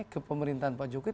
ke pemerintahan pak jokowi